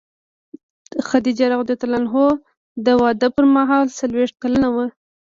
خدیجه رض د واده پر مهال څلوېښت کلنه وه.